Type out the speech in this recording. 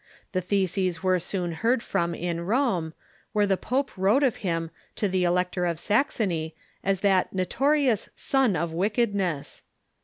The Theses were soon heard from in Rome, where the pope wrote of him to the Elector of Saxony as that notorious " son of wicked ness."